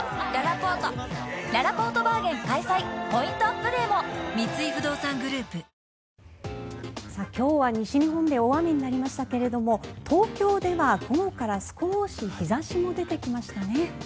ポイントアップデーも今日は西日本で大雨になりましたけれども東京では午後から少し日差しも出てきましたね。